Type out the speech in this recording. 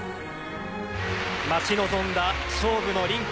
待ち望んだ勝負のリンク。